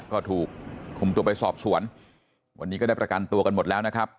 ก็ถูกคุมตัวไปสอบสวนวันนี้ก็ได้ประกันตัวกันหมดแล้วนะครับ